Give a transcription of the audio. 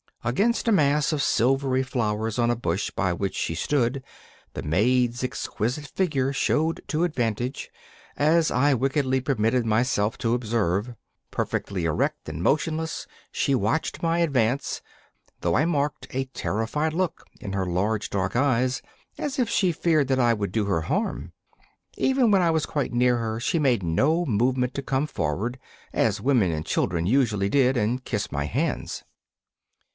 Against a mass of silvery flowers on a bush by which she stood the maid's exquisite figure showed to advantage, as I wickedly permitted myself to observe. Perfectly erect and motionless, she watched my advance, though I marked a terrified look in her large, dark eyes, as if she feared that I would do her harm. Even when I was quite near her she made no movement to come forward, as women and children usually did, and kiss my hands.